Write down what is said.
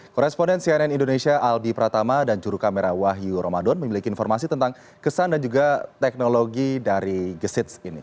koresponden cnn indonesia albi pratama dan juru kamera wahyu ramadan memiliki informasi tentang kesan dan juga teknologi dari gesits ini